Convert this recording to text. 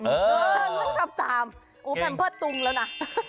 เดินตามแพมเพิร์ตตุ้งแล้วนะ